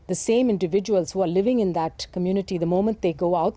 orang orang yang hidup di komunitas tersebut